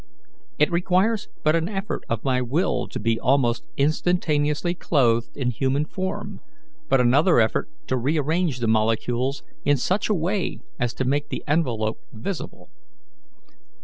It requires but an effort of my will to be almost instantly clothed in human form, and but another effort to rearrange the molecules in such a way as to make the envelope visible.